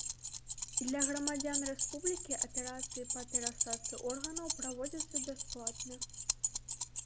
Для грамадзян рэспублікі аперацыі па перасадцы органаў праводзяцца бясплатна.